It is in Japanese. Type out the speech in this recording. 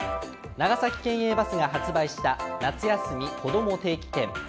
長崎県営バスが発売した夏休みこども定期券。